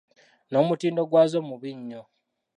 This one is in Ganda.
N’omutindo gwazo mubi nnyo.